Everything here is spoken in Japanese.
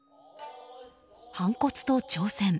反骨と挑戦。